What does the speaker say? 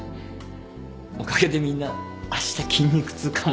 おかげでみんなあした筋肉痛かもですけど。